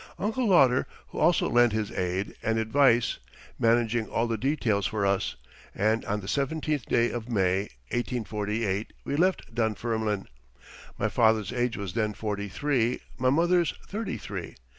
Uncle Lauder also lent his aid and advice, managing all the details for us, and on the 17th day of May, 1848, we left Dunfermline. My father's age was then forty three, my mother's thirty three.